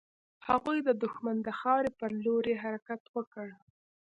هغوی د دښمن د خاورې پر لور يې حرکت وکړ.